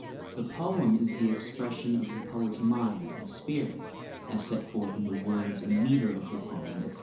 The poem is the expression of the poet's mind and spirit, as set forth in the words and metre of the poem, etc.